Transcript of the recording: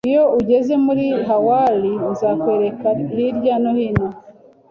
Iyo ugeze muri Hawaii, nzakwereka hirya no hino